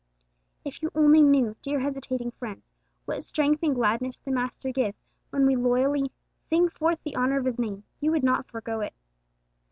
If you only knew, dear hesitating friends, what strength and gladness the Master gives when we loyally 'sing forth the honour of His Name,' you would not forego it!